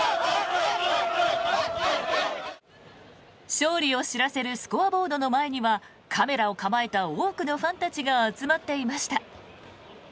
勝利を知らせるスコアボードの前にはカメラを構えた多くのファンたちが集まっていました。